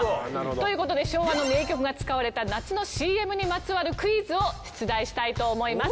という事で昭和の名曲が使われた夏のＣＭにまつわるクイズを出題したいと思います。